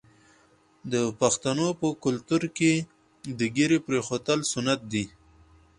د پښتنو په کلتور کې د ږیرې پریښودل سنت دي.